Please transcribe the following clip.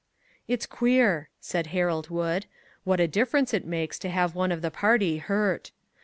" It's queer," said Harold Wood, " what a difference it makes to have one of the party hurt!